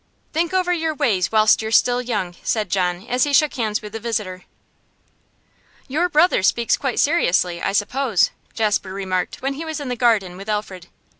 'Think over your ways whilst you're still young,' said John as he shook hands with his visitor. 'Your brother speaks quite seriously, I suppose?' Jasper remarked when he was in the garden with Alfred.